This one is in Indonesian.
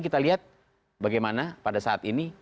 kita lihat bagaimana pada saat ini